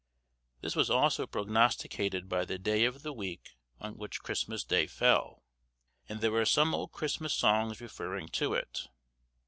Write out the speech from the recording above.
This was also prognosticated by the day of the week on which Christmas Day fell, and there are some old Christmas songs referring to it.